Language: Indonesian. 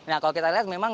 nah kalau kita lihat memang